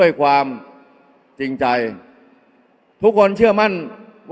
อย่าให้ลุงตู่สู้คนเดียว